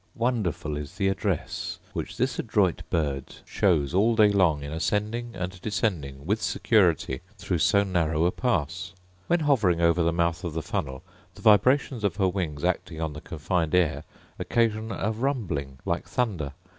Wonderful is the address which this adroit bird shows all day long in ascending and descending with security through so narrow a pass. When hovering over the mouth of the funnel, the vibrations of her wings acting on the confined air occasion a rumbling like thunder.